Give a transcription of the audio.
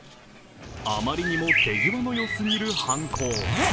あまりにも手際のよすぎる犯行。